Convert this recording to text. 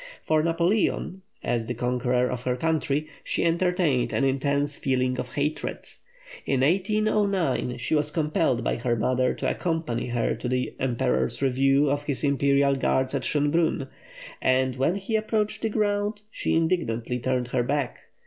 For Napoleon, as the conqueror of her country, she entertained an intense feeling of hatred. In 1809 she was compelled by her mother to accompany her to the Emperor's review of his Imperial Guards at Schönbrunn; but when he approached the ground she indignantly turned her back.